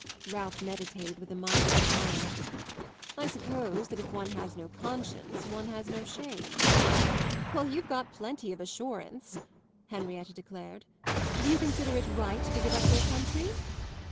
Ralph meditated with a mild smile. "I suppose that if one has no conscience one has no shame." "Well, you've got plenty of assurance," Henrietta declared. "Do you consider it right to give up your country?"